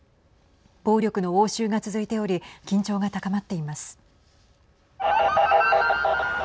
暴力の応酬が続いており緊張が高まっています。